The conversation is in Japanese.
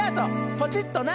ポチッとな！